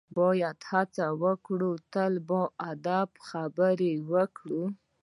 باید هڅه وکړو تل په ادب سره خبرې وکړو.